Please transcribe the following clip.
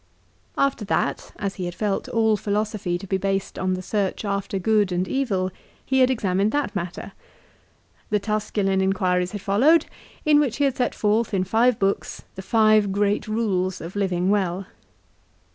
After that, as he had felt all philosophy to be based on the search after good and evil, he had examined that matter. The Tusculan Inquiries had followed in which he had set forth, in five books, the five great rules of living well.